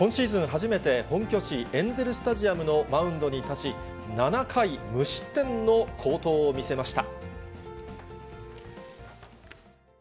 初めて、本拠地、エンゼル・スタジアムのマウンドに立ち、７回無失点の好投を見せました。